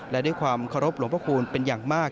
และด้วยความเคารพหลวงพระคูณเป็นอย่างมาก